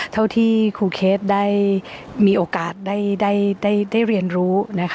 เท่าที่ครูเคสได้มีโอกาสได้เรียนรู้